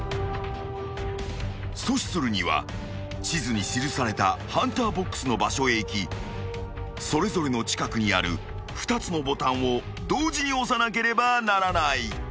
［阻止するには地図に記されたハンターボックスの場所へ行きそれぞれの近くにある２つのボタンを同時に押さなければならない］